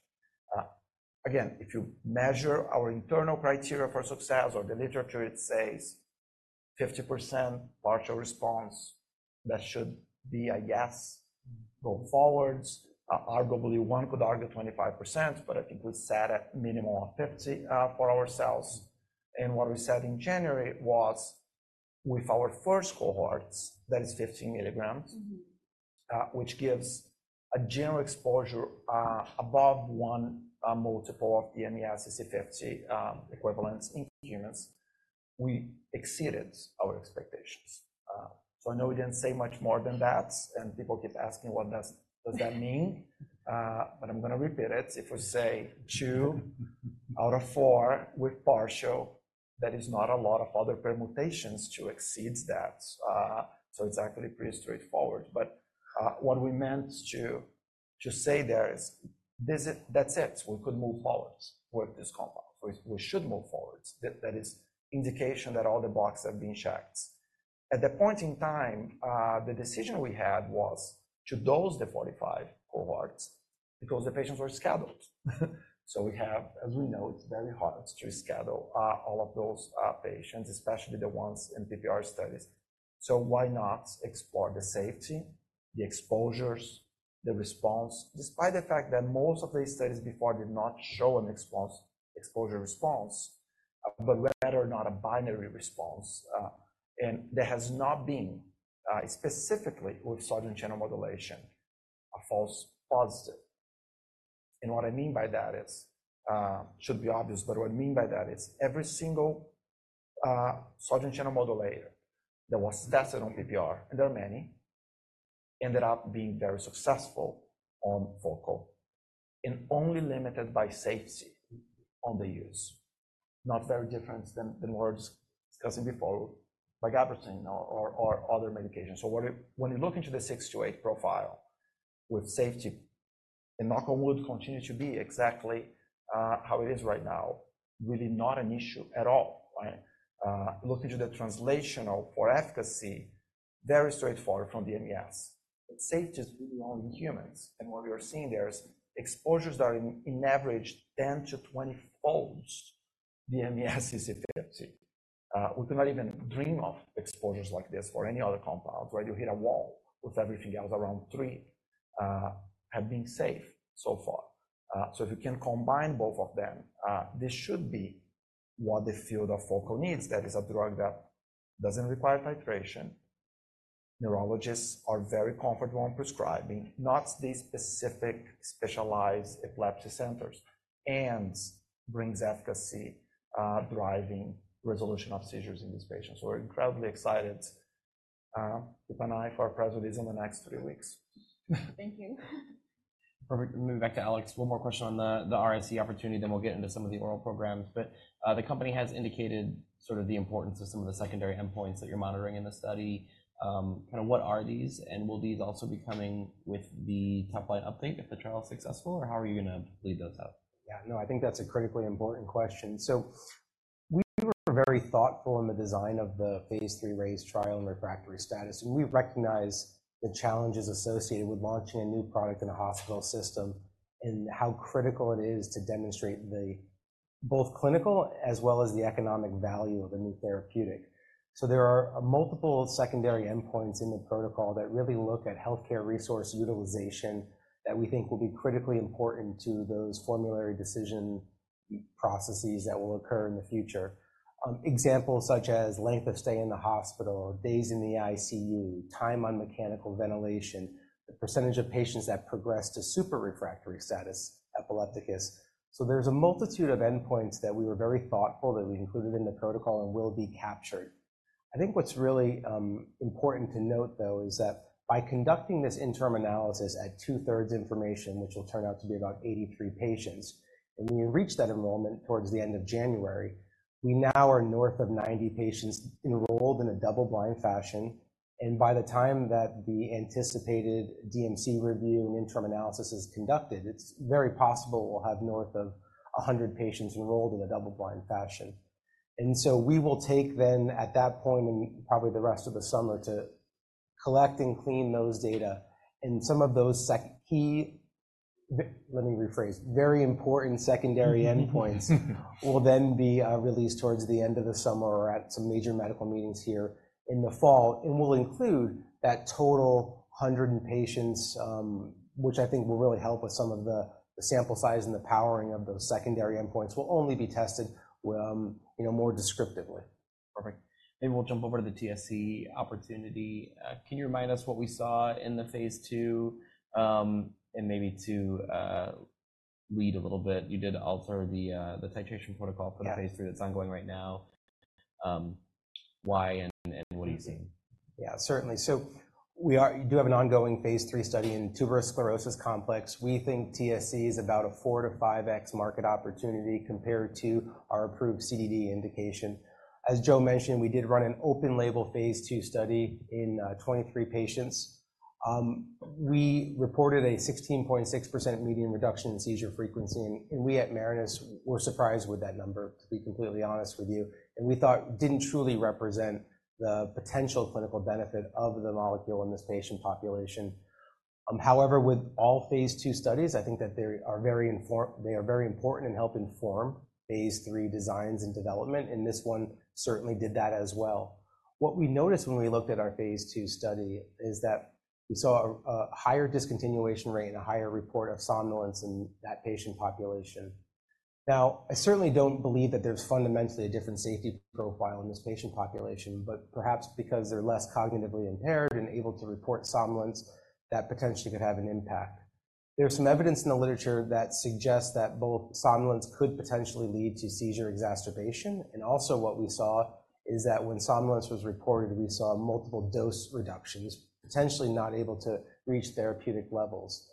Again, if you measure our internal criteria for success or the literature, it says 50% partial response, that should be a yes, go forward. Arguably, one could argue 25%, but I think we set at minimum of 50% for ourselves. What we said in January was, with our first cohorts, that is 15 mg- Mm-hmm... which gives a general exposure above one multiple of the MES EC50 equivalents in humans. We exceeded our expectations. So I know we didn't say much more than that, and people keep asking: Well, does, does that mean? But I'm going to repeat it. If we say two out of four with partial, that is not a lot of other permutations to exceed that. So it's actually pretty straightforward. But what we meant to say there is, this it. That's it. We could move forward with this compound. We should move forward. That is indication that all the boxes have been checked. At that point in time, the decision we had was to dose the 45 cohorts because the patients were scheduled. As we know, it's very hard to schedule all of those patients, especially the ones in PPR studies. So why not explore the safety, the exposures, the response, despite the fact that most of these studies before did not show an exposure response, but whether or not a binary response. And there has not been, specifically with sodium channel modulation, a false positive. And what I mean by that is, should be obvious, but what I mean by that is every single sodium channel modulator that was tested on PPR, and there are many, ended up being very successful on focal and only limited by safety on the use. Not very different than what I was discussing before, like gabapentin or other medications. So when you look into the 628 profile with safety, and knock on wood, continue to be exactly how it is right now, really not an issue at all, right? Look into the translational for efficacy, very straightforward from the MES. It's safe, just really only in humans. And what we are seeing there is exposures are, on average, 10-20 folds. The MES is 50. We cannot even dream of exposures like this for any other compound, right? You hit a wall with everything else around three, have been safe so far. So if you can combine both of them, this should be what the field of focal needs. That is a drug that doesn't require titration, neurologists are very comfortable in prescribing, not the specific specialized epilepsy centers, and brings efficacy, driving resolution of seizures in these patients. So we're incredibly excited, with an eye for our priorities in the next three weeks. Thank you. Perfect. Moving back to Alex, one more question on the RSE opportunity, then we'll get into some of the oral programs. But, the company has indicated sort of the importance of some of the secondary endpoints that you're monitoring in the study. Kind of what are these, and will these also be coming with the top line update if the trial is successful, or how are you going to lead those up? Yeah. No, I think that's a critically important question. So, we were very thoughtful in the design of the phase III RAISE trial in refractory status epilepticus, and we recognize the challenges associated with launching a new product in a hospital system and how critical it is to demonstrate the both clinical as well as the economic value of a new therapeutic. So there are multiple secondary endpoints in the protocol that really look at healthcare resource utilization that we think will be critically important to those formulary decision processes that will occur in the future. Examples such as length of stay in the hospital, or days in the ICU, time on mechanical ventilation, the percentage of patients that progress to super refractory status epilepticus. So there's a multitude of endpoints that we were very thoughtful, that we included in the protocol and will be captured. I think what's really important to note, though, is that by conducting this interim analysis at two-thirds information, which will turn out to be about 83 patients, and we reached that enrollment towards the end of January. We now are north of 90 patients enrolled in a double-blind fashion, and by the time that the anticipated DMC review and interim analysis is conducted, it's very possible we'll have north of 100 patients enrolled in a double-blind fashion. And so we will take then, at that point, and probably the rest of the summer, to collect and clean those data. Very important secondary endpoints will then be released towards the end of the summer or at some major medical meetings here in the fall and will include that total 100 patients, which I think will really help with some of the sample size and the powering of those secondary endpoints will only be tested, you know, more descriptively. Perfect. Maybe we'll jump over to the TSC opportunity. Can you remind us what we saw in the phase II? Maybe to lead a little bit, you did alter the titration protocol- Yeah. -for the phase III that's ongoing right now. Why and what are you seeing? Yeah, certainly. So we do have an ongoing phase III study in Tuberous Sclerosis Complex. We think TSC is about a 4-5x market opportunity compared to our approved CDD indication. As Joe mentioned, we did run an open-label phase II study in 23 patients. We reported a 16.6% median reduction in seizure frequency, and we at Marinus were surprised with that number, to be completely honest with you, and we thought didn't truly represent the potential clinical benefit of the molecule in this patient population. However, with all phase II studies, I think that they are very important and help inform phase III designs and development, and this one certainly did that as well. What we noticed when we looked at our phase II study is that we saw a higher discontinuation rate and a higher report of somnolence in that patient population. Now, I certainly don't believe that there's fundamentally a different safety profile in this patient population, but perhaps because they're less cognitively impaired and able to report somnolence, that potentially could have an impact. There's some evidence in the literature that suggests that both somnolence could potentially lead to seizure exacerbation, and also what we saw is that when somnolence was reported, we saw multiple dose reductions, potentially not able to reach therapeutic levels.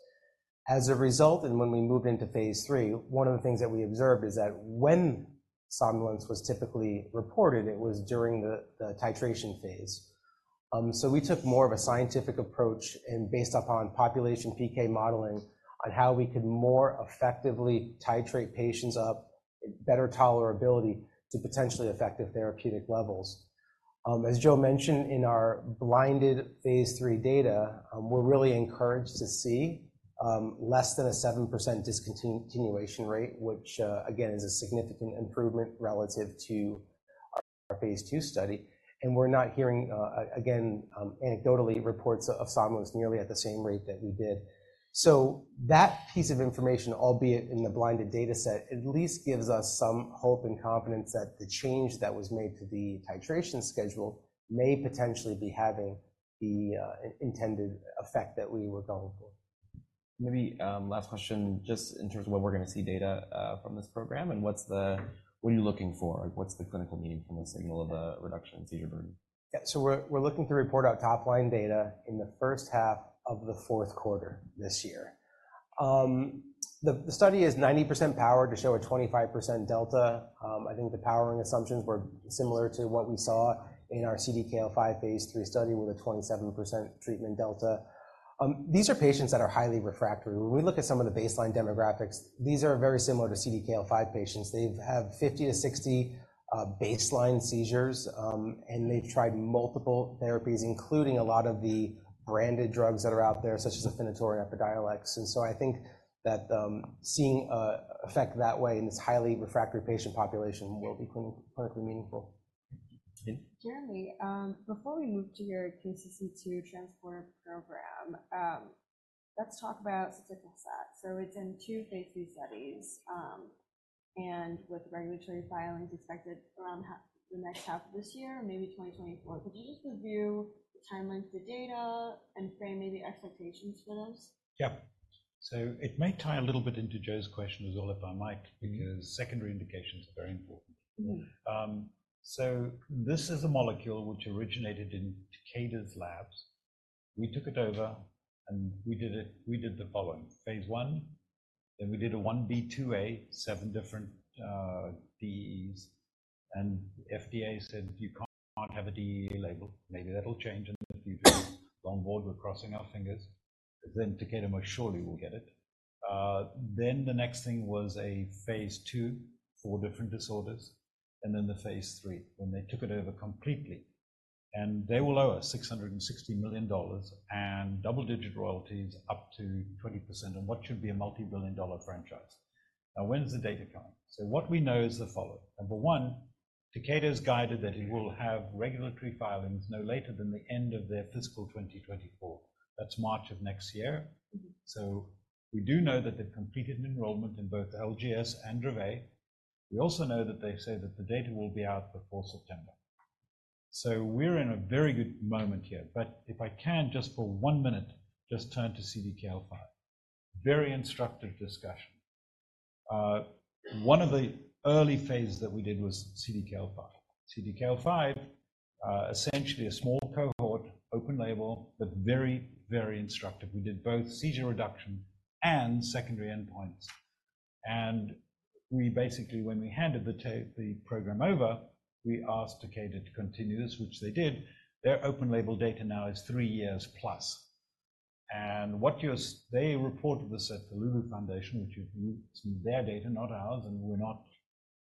As a result, and when we moved into phase III, one of the things that we observed is that when somnolence was typically reported, it was during the titration phase. So we took more of a scientific approach and based upon population PK modeling on how we could more effectively titrate patients up, better tolerability to potentially effective therapeutic levels. As Joe mentioned, in our blinded phase III data, we're really encouraged to see less than a 7% discontinuation rate, which, again, is a significant improvement relative to our phase II study, and we're not hearing, again, anecdotally, reports of somnolence nearly at the same rate that we did. So that piece of information, albeit in the blinded data set, at least gives us some hope and confidence that the change that was made to the titration schedule may potentially be having the intended effect that we were going for. Maybe, last question, just in terms of when we're going to see data from this program, and what are you looking for? What's the clinical need from the signal of a reduction in seizure burden? Yeah. So we're looking to report out top-line data in the first half of the fourth quarter this year. The study is 90% powered to show a 25% delta. I think the powering assumptions were similar to what we saw in our CDKL5 phase III study with a 27% treatment delta. These are patients that are highly refractory. When we look at some of the baseline demographics, these are very similar to CDKL5 patients. They have 50-60 baseline seizures, and they've tried multiple therapies, including a lot of the branded drugs that are out there, such as Afinitor or Epidiolex. And so I think that seeing an effect that way in this highly refractory patient population will be clinically meaningful. And- Jeremy, before we move to your KCC2 transport program, let's talk about soticlestat. So it's in two phase II studies, and with regulatory filings expected around the next half of this year, maybe 2024. Could you just review the timeline for data and frame maybe expectations for those? Yeah. So it may tie a little bit into Joe's question as well, if I might, because secondary indications are very important. Mm-hmm. So this is a molecule which originated in Takeda's labs. We took it over, and we did it-- we did the following: phase I, then we did a I/B, II/A, seven different DEs, and FDA said, "You can't have a DEA label." Maybe that'll change in the future. On board, we're crossing our fingers. Then Takeda most surely will get it. Then the next thing was a phase II for different disorders, and then the phase III, when they took it over completely. And they will owe us $660 million and double-digit royalties up to 20% on what should be a multi-billion dollar franchise. Now, when's the data coming? So what we know is the following: number 1, Takeda's guided that he will have regulatory filings no later than the end of their fiscal 2024. That's March of next year. So we do know that they've completed an enrollment in both LGS and Dravet. We also know that they've said that the data will be out before September. So we're in a very good moment here, but if I can, just for one minute, just turn to CDKL5. Very instructive discussion. One of the early phases that we did was CDKL5. CDKL5, essentially a small cohort, open label, but very, very instructive. We did both seizure reduction and secondary endpoints, and we basically, when we handed the program over, we asked Takeda to continue this, which they did. Their open label data now is three years plus, and They reported this at the Lulu Foundation, which you've... It's their data, not ours, and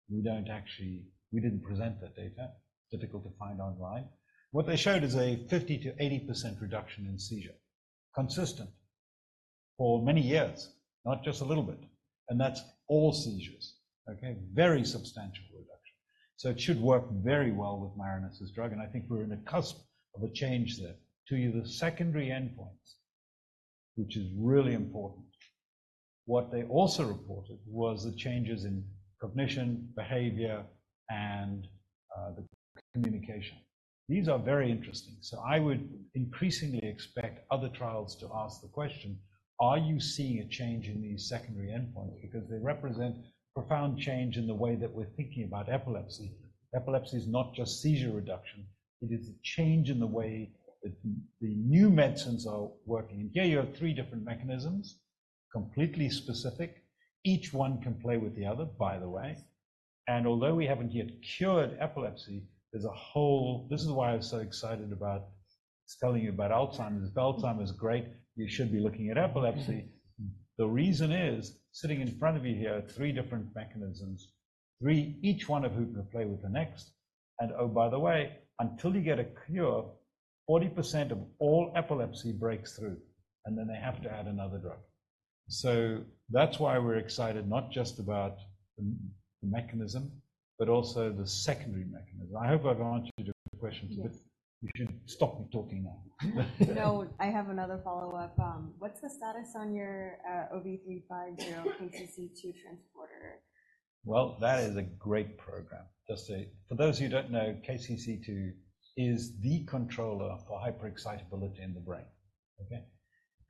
we don't actually... We didn't present that data. It's difficult to find online. What they showed is a 50%-80% reduction in seizure, consistent for many years, not just a little bit, and that's all seizures. Okay? Very substantial reduction. So it should work very well with Marinus's drug, and I think we're in a cusp of a change there to the secondary endpoints, which is really important. What they also reported was the changes in cognition, behavior, and the communication. These are very interesting. So I would increasingly expect other trials to ask the question: Are you seeing a change in these secondary endpoints? Because they represent profound change in the way that we're thinking about epilepsy. Epilepsy is not just seizure reduction, it is a change in the way that the new medicines are working. And here you have three different mechanisms, completely specific. Each one can play with the other, by the way. Although we haven't yet cured epilepsy, there's a whole... This is why I'm so excited about telling you about Alzheimer's. Alzheimer's is great, you should be looking at epilepsy. The reason is, sitting in front of you here are three different mechanisms, three, each one of who can play with the next. And oh, by the way, until you get a cure, 40% of all epilepsy breaks through, and then they have to add another drug. So that's why we're excited, not just about the mechanism, but also the secondary mechanism. I hope I've answered your questions. Yes. You should stop me talking now. No, I have another follow-up. What's the status on your OV350 KCC2 transporter? Well, that is a great program. Just so, for those who don't know, KCC2 is the controller for hyperexcitability in the brain, okay?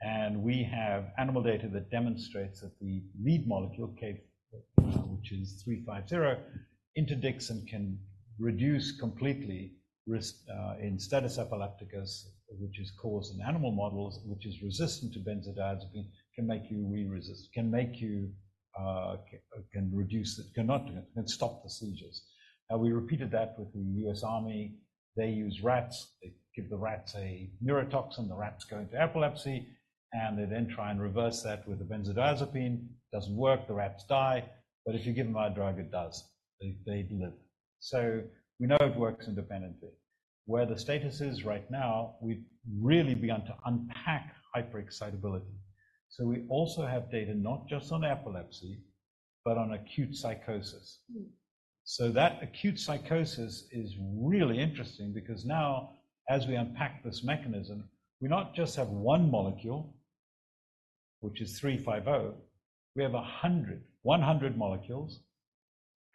And we have animal data that demonstrates that the lead molecule, OV350, interdicts and can reduce completely risk in status epilepticus, which is caused in animal models, which is resistant to benzodiazepine, can make you resistant, can make you, can reduce it, can do it, can stop the seizures. We repeated that with the U.S. Army. They use rats. They give the rats a neurotoxin, the rats go into epilepsy, and they then try and reverse that with a benzodiazepine. Doesn't work, the rats die. But if you give them our drug, it does. They live. So we know it works independently. Where the status is right now, we've really begun to unpack hyperexcitability. We also have data not just on epilepsy, but on acute psychosis. Mm. So that acute psychosis is really interesting because now, as we unpack this mechanism, we not just have one molecule, which is OV350, we have 100, 100 molecules,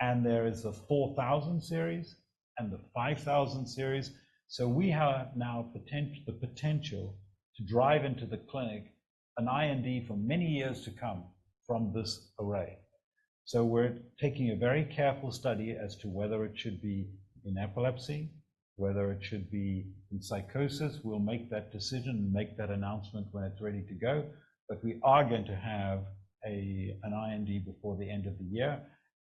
and there is a 4,000 series and the 5,000 series. So we have now the potential to drive into the clinic an IND for many years to come from this array. So we're taking a very careful study as to whether it should be in epilepsy, whether it should be in psychosis. We'll make that decision and make that announcement when it's ready to go. But we are going to have an IND before the end of the year,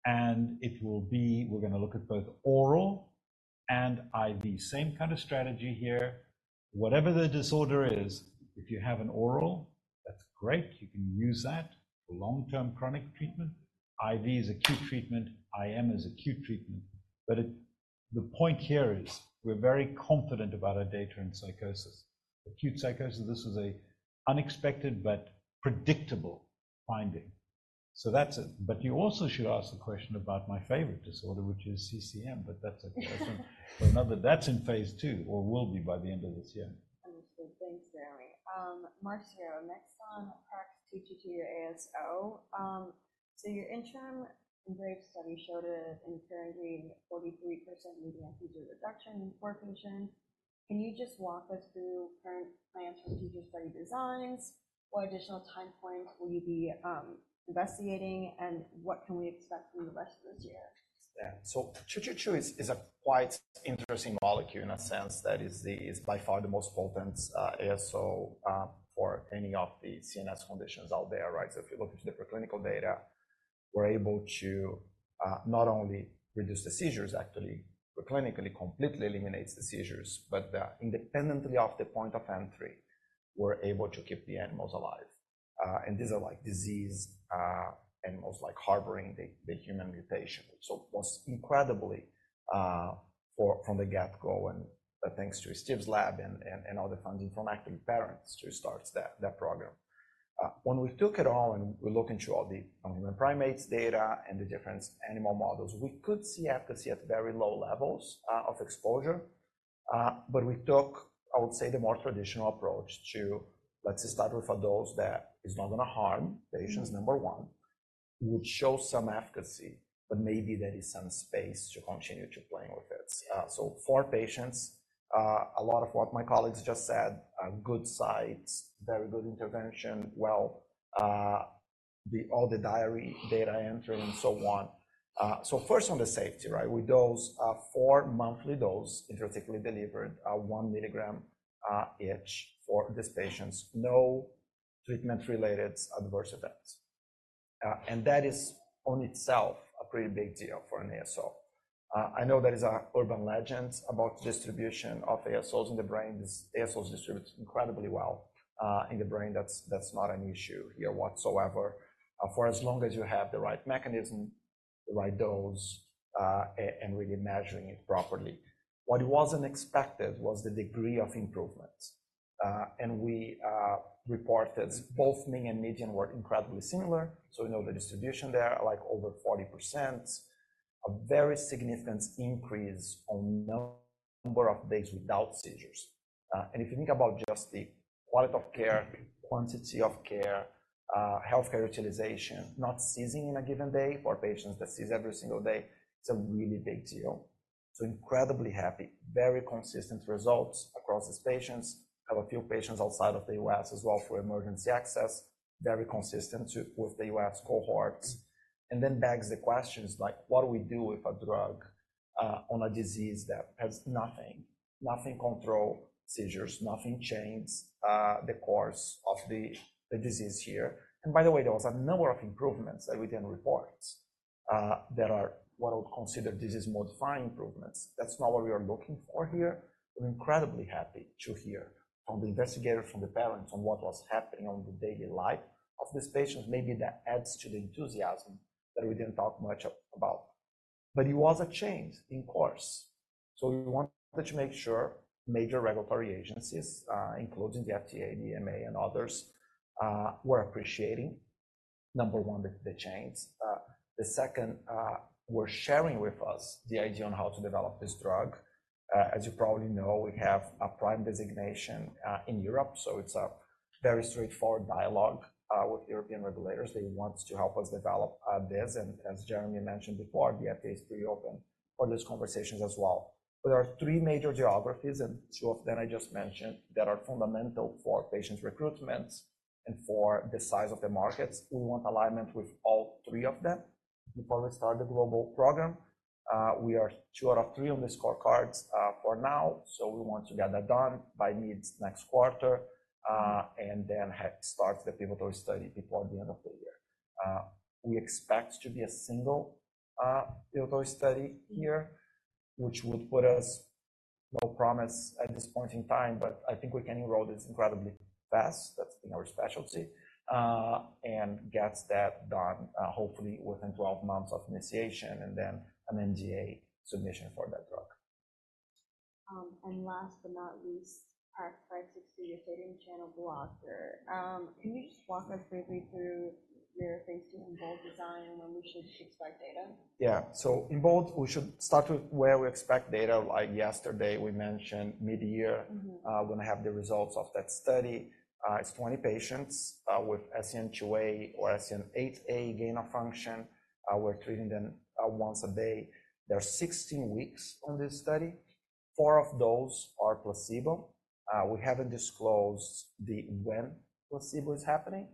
and it will be. We're going to look at both oral and IV. Same kind of strategy here. Whatever the disorder is, if you have an oral, that's great, you can use that for long-term chronic treatment. IV is acute treatment, IM is acute treatment. But the point here is, we're very confident about our data in psychosis. Acute psychosis, this is an unexpected but predictable finding. So that's it. But you also should ask the question about my favorite disorder, which is CCM, but that's a different for another. That's in phase II, or will be by the end of this year. Understood. Thanks, Jeremy. Marcio, next on TGT or ASO. So, your interim brief study showed a inherently 43% median seizure reduction in core function. Can you just walk us through current plans for future study designs? What additional time points will you be investigating, and what can we expect from the rest of this year? Yeah. So PRAX-222 is a quite interesting molecule in a sense that it's by far the most potent ASO for any of the CNS conditions out there, right? So if you look at the preclinical data, we're able to not only reduce the seizures, actually, but clinically completely eliminates the seizures, but independently of the point of entry, we're able to keep the animals alive. And these are like disease animals like harboring the human mutation. So it was incredibly from the get-go, and thanks to Steve's lab and all the funding from active parents to start that program. When we took it all, and we look into all the non-human primates data and the different animal models, we could see efficacy at very low levels of exposure. But we took, I would say, the more traditional approach to, let's start with a dose that is not gonna harm the patients, number one. It would show some efficacy, but maybe there is some space to continue to playing with this. So four patients, a lot of what my colleagues just said, good sites, very good intervention. Well, all the diary data entry and so on. So first on the safety, right? We dose four monthly doses intrathecally delivered, 1 mg each for these patients. No treatment-related adverse events. And that is in itself a pretty big deal for an ASO. I know there is an urban legend about distribution of ASOs in the brain. This ASO distributes incredibly well in the brain. That's not an issue here whatsoever. For as long as you have the right mechanism, the right dose, and really measuring it properly. What wasn't expected was the degree of improvements. We report that both mean and median were incredibly similar, so we know the distribution there, like over 40%. A very significant increase on number of days without seizures. And if you think about just the quality of care, quantity of care, healthcare utilization, not seizing in a given day for patients that seize every single day, it's a really big deal. So incredibly happy, very consistent results across these patients. Have a few patients outside of the U.S. as well for emergency access, very consistent with the U.S. cohorts. And then begs the questions, like, what do we do with a drug on a disease that has nothing? Nothing controls seizures, nothing changes the course of the disease here. By the way, there was a number of improvements that we didn't report that are what I would consider disease-modifying improvements. That's not what we are looking for here. We're incredibly happy to hear from the investigator, from the parents, on what was happening in the daily life of these patients. Maybe that adds to the enthusiasm that we didn't talk much about, but it was a change in course. We wanted to make sure major regulatory agencies, including the FDA, EMA, and others, were appreciating, number one, the change. The second, were sharing with us the idea on how to develop this drug. As you probably know, we have a PRIME designation in Europe, so it's a very straightforward dialogue with European regulators. They want to help us develop this, and as Jeremy mentioned before, the FDA is pretty open for these conversations as well. There are three major geographies, and two of them I just mentioned, that are fundamental for patient recruitment and for the size of the markets. We want alignment with all three of them before we start the global program. We are two out of three on the scorecards for now, so we want to get that done by mid next quarter, and then start the pivotal study before the end of the year. We expect to be a single pivotal study here, which would put us, no promise at this point in time, but I think we can enroll this incredibly fast. That's been our specialty, and gets that done, hopefully within 12 months of initiation, and then an NDA submission for that drug. Last but not least, our type six sodium channel blocker. Can you just walk us briefly through your phase II EMBOLD design and when we should expect data? Yeah. So in both, we should start with where we expect data, like yesterday, we mentioned mid-year- Mm-hmm. We're gonna have the results of that study. It's 20 patients with SCN2A or SCN8A gain of function. We're treating them once a day. There are 16 weeks on this study. Four of those are placebo. We haven't disclosed the when placebo is happening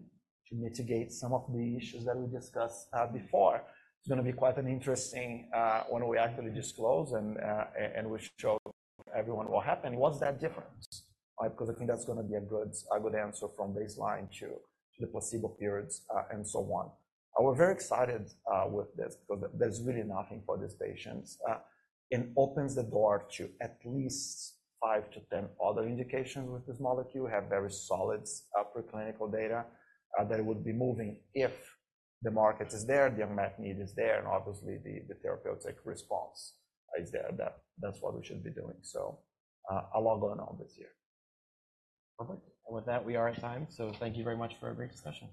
to mitigate some of the issues that we discussed before. It's gonna be quite an interesting when we actually disclose and, and, and we show everyone what happened and what's that difference? Because I think that's gonna be a good, a good answer from baseline to the placebo periods and so on. We're very excited with this because there's really nothing for these patients. It opens the door to at least five to 10 other indications with this molecule, have very solid upper clinical data, that would be moving if the market is there, the unmet need is there, and obviously, the, the therapeutic response is there. That, that's what we should be doing. So, a lot going on this year. Perfect. With that, we are at time, so thank you very much for a great discussion.